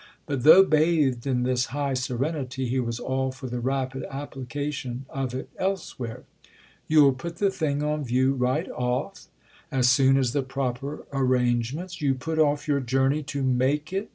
But though bathed in this high serenity he was all for the rapid application of it elsewhere. "You'll put the thing on view right off?" "As soon as the proper arrangement——" "You put off your journey to make it?"